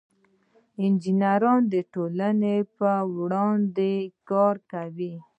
انجینران د ټولنې په وړاندې کار کوي.